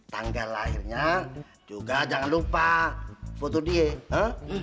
tanggal lahirnya juga jangan lupa foto dia